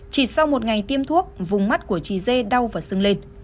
chỉ sau một ngày tiêm thuốc vùng mắt của chị dê đau và sưng lên